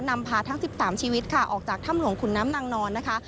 นำพาทั้ง๑๓ชีวิตค่ะออกจากถ้ำหลวงขุนน้ำนางนอนนะคะ